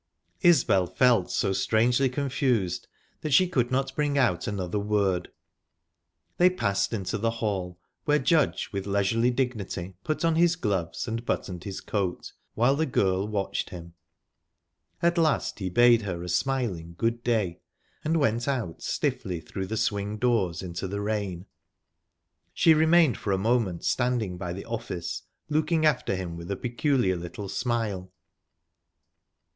Isbel felt so strangely confused that she could not bring out another word. They passed into the hall, where Judge, with leisurely dignity, put on his gloves and buttoned his coat, while the girl watched him. At last he bade her a smiling "Good day," and went out stiffly through the swing doors into the rain. She remained for a moment standing by the office, looking after him with a peculiar little smile.